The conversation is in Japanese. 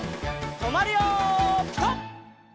とまるよピタ！